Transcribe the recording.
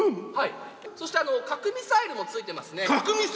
そして核ミサイルもついてますね。